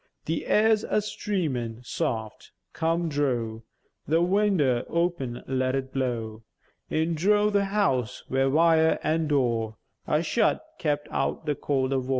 The aïr's a streamèn soft, come drow The winder open; let it blow In drough the house, where vire, an' door A shut, kept out the cwold avore.